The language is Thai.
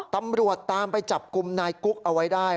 ตำรวจตามไปจับกลุ่มนายกุ๊กเอาไว้ได้